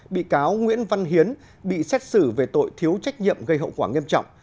bị cáo nguyễn văn hiến bị xét xử về tội thiếu trách nhiệm gây hậu quả nghiêm trọng